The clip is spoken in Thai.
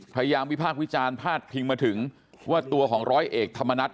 พยายามวิภาควิจารณ์พาดพิงมาถึงว่าตัวของร้อยเอกธรรมนัฏ